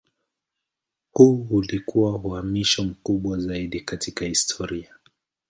Huu ulikuwa uhamisho mkubwa zaidi katika historia.